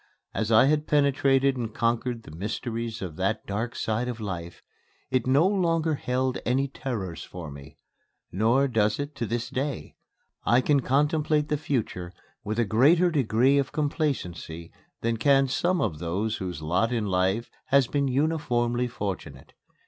As I had penetrated and conquered the mysteries of that dark side of life, it no longer held any terrors for me. Nor does it to this day. I can contemplate the future with a greater degree of complacency than can some of those whose lot in life has been uniformly fortunate.